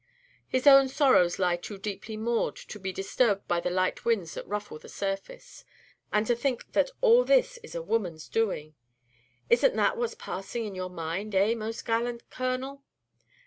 His own sorrows lie too deeply moored to be disturbed by the light winds that ruffle the surface. And to think that all this is a woman's doing! Is n't that what's passing in your mind, eh, most gallant Colonel?"